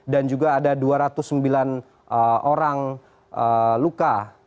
dan juga ada dua ratus sembilan orang luka